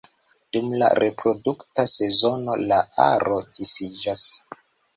Dum la reprodukta sezono la aro disiĝas.